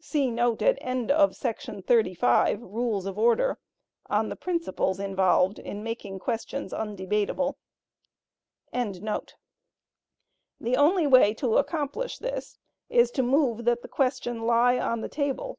[See note at end of § 35, Rules of Order, on the principles involved in making questions undebatable.] The only way to accomplish this, is to move that the question "lie on the table."